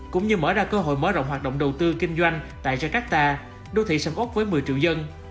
cũng như mở ra cơ hội mở rộng hoạt động đầu tư kinh doanh tại jakarta đô thị sầm úc với một mươi triệu dân